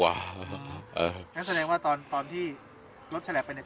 งั้นแสดงว่าตอนที่รถฉลับไปเนี่ย